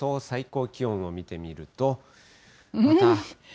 最高気温を見てみると、また。